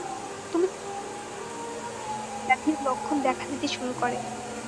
তুমি ছোট থাকতে শার্লটের জিনগত ব্যাধির লক্ষণ দেখা দিতে শুরু করে।